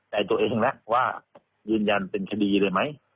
แต่ตัวเองแล้วว่ายืนยันเป็นคดีเลยไหม